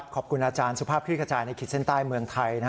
ขอบคุณอาจารย์สุภาพคลิกกระจายในขีดเส้นใต้เมืองไทย